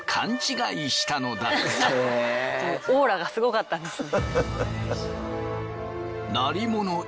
オーラがすごかったんですね。